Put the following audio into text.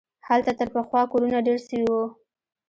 هلته تر پخوا کورونه ډېر سوي وو.